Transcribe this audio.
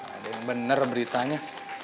ada yang bener beritanya